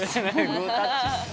グータッチ。